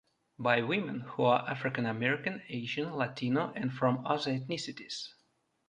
By women who are African American, Asian, Latino and from other ethnicities.